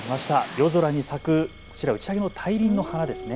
夜空に咲くこちら、打ち上げの大輪の花ですね。